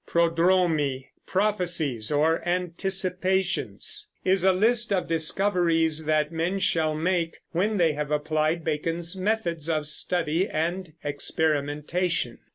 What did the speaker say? Prodromi, "Prophecies or Anticipations," is a list of discoveries that men shall make when they have applied Bacon's methods of study and experimentation.